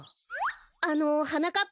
あのはなかっ